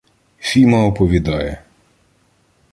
Фіма оповідає: